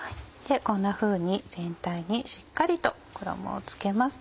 こんなふうに全体にしっかりと衣を付けます。